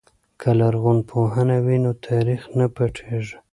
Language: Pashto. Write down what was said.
که لرغونپوهنه وي نو تاریخ نه پټیږي.